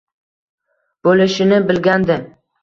Bo’lishini bilgandi.